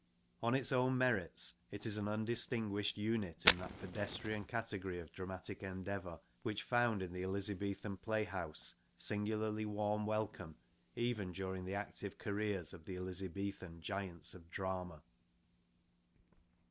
On its own merits, it is an undistinguished unit in that pedestrian category of dramatic endeavour which found in the Elizabethan playhouse singu larly warm welcome, even during the active careers of the I Elizabethan giants of drama.